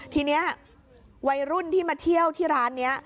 ทีนี้วัยรุ่นที่มาเที่ยวที่ร้านนี้